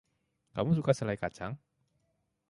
Kamu suka selai kacang?